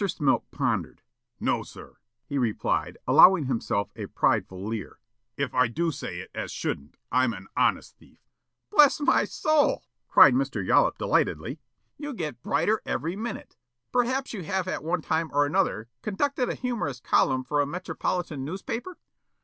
Smilk pondered. "No, sir," he replied, allowing himself a prideful leer; "if I do say it as shouldn't, I'm an honest thief." "Bless my soul," cried Mr. Yollop delightedly; "you get brighter every minute. Perhaps you have at one time or another conducted a humorous column for a Metropolitan newspaper?"